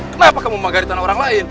kenapa kamu memagari tanah orang lain